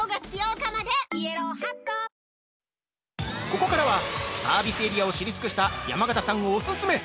◆ここからは、サービスエリアを知り尽くした山形さんオススメ！